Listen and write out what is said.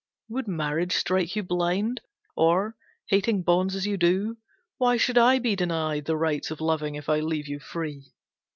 Would marriage strike you blind, or, hating bonds as you do, why should I be denied the rights of loving if I leave you free?